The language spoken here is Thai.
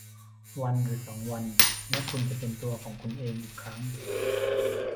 วันหรือสองวันและคุณจะเป็นตัวของคุณเองอีกครั้ง